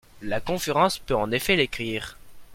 La conférence peut en effet l’écrire.